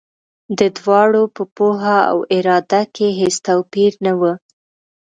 د دواړو په پوهه او اراده کې هېڅ توپیر نه و.